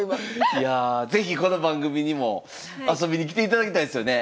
いや是非この番組にも遊びに来ていただきたいですよね。